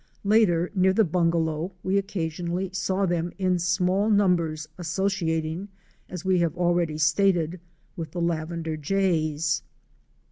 Later near the bungalow we occasionally saw them in small numbers associating, as we have already stated, with the Lavender Jays."